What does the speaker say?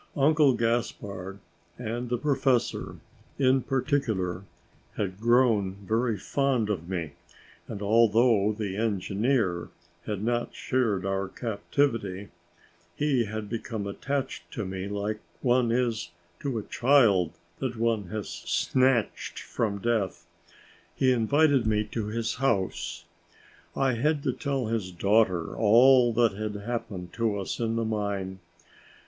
Uncle Gaspard and the professor, in particular, had grown very fond of me and, although the engineer had not shared our captivity, he had become attached to me like one is to a child that one has snatched from death. He invited me to his house. I had to tell his daughter all that had happened to us in the mine.